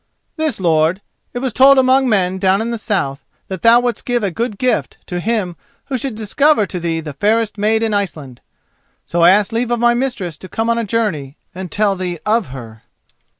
"This, lord. It was told among men down in the south that thou wouldst give a good gift to him who should discover to thee the fairest maid in Iceland. So I asked leave of my mistress to come on a journey and tell thee of her."